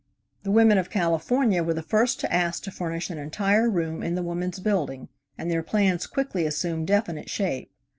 The women of California were the first to ask to furnish an entire room in the Woman's Building, and their plans quickly assumed definite shape.